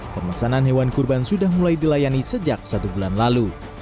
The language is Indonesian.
pemesanan hewan kurban sudah mulai dilayani sejak satu bulan lalu